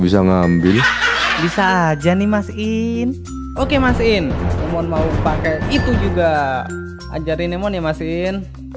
bisa ngambil bisa aja nih mas in oke mas in mohon mau pakai itu juga ajarin emon ya masin